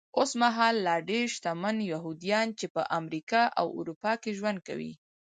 اوسمهال لا ډېر شتمن یهوديان چې په امریکا او اروپا کې ژوند کوي.